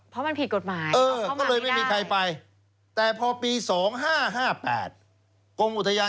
เพราะมันผิดกฎหมาย